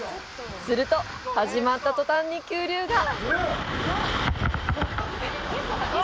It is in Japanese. すると、始まった途端に急流が！